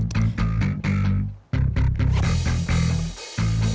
sampiran bawa kabur